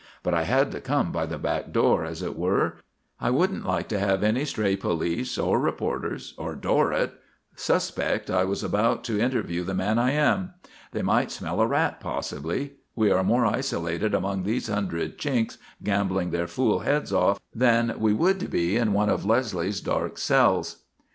"But I had to come by the back door, as it were. I wouldn't like to have any stray police or reporters or Dorrett suspect I was about to interview the man I am. They might smell a rat, possibly. We are more isolated among these hundred Chinks, gambling their fool heads off, than we would be in one of Leslie's dark cells."